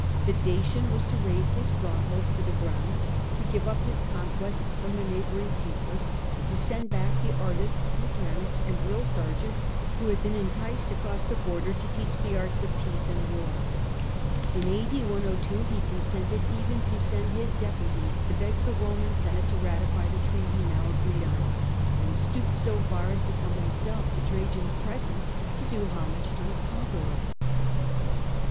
The Dacian was to raze his strongholds to the ground, to give up his conquests from the neigh bouring peoples, and to send back the artists, mechanics, and drill sergeants who had been enticed across the bring the border to teach the arts of peace and war. a He consented even to send his deputies to A.u. 102. beg the Roman senate to ratify the treaty now agreed on, and stooped so far as to come himself to Trajan^s presence, to do homage to his conqueror.